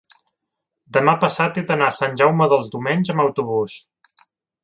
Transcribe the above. demà passat he d'anar a Sant Jaume dels Domenys amb autobús.